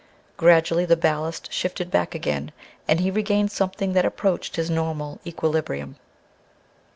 Gradually the ballast shifted back again, and he regained something that approached his normal equilibrium.